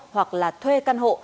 hoặc là thuê căn hộ